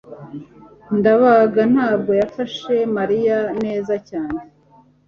ndabaga ntabwo yafashe mariya neza cyane